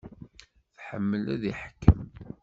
Tḥemmel ad teḥkem.